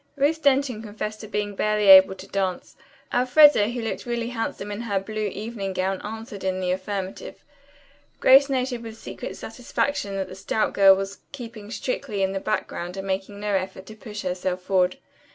Ruth Denton confessed to being barely able to dance. Elfreda, who looked really handsome in her blue evening gown, answered in the affirmative. Grace noted with secret satisfaction that the stout girl was keeping strictly in the background and making no effort to push herself forward.